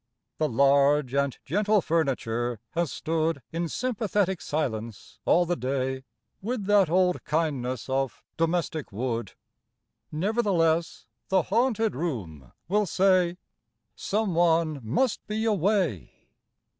The large and gentle furniture has stood In sympathetic silence all the day With that old kindness of domestic wood; Nevertheless the haunted room will say: 'Some one must be away.'